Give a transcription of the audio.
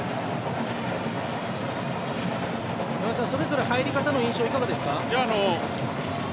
それぞれ入り方の印象いかがですか？